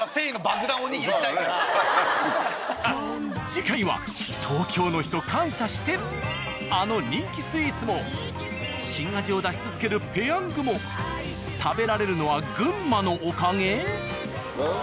次回はあの人気スイーツも新味を出し続ける「ペヤング」も食べられるのは群馬のおかげ！？